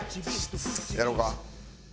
やろうか。